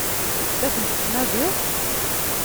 La ten-tettnadiḍ?